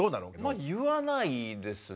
まあ言わないですね。